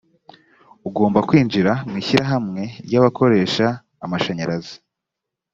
ugomba kwinjira mu ishyirahamwe ry’abakoresha amashanyarazi